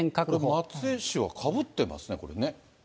松江市はかぶってますね、これね。